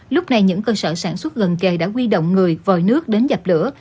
lúc này những cơ sở sản xuất gần kề đã quy động người vòi nước đến dập lửa